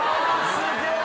すげえ！